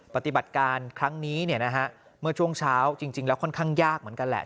ปฏิบัติการครั้งนี้เมื่อช่วงเช้าจริงแล้วค่อนข้างยากเหมือนกันแหละ